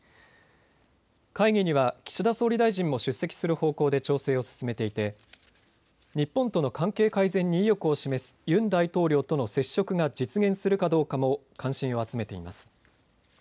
会議には岸田総理大臣も出席する方向で調整を進めていて日本との関係改善に意欲を示すユン大統領との接触が実現するかどうかも関心を集めています。